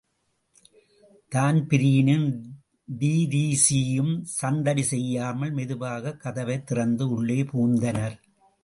தான்பிரீனும் டீரீஸியும் சந்தடி செய்யாமல் மெதுவாகக் கதவைத் திறந்து உள்ளே புகுந்தனர்.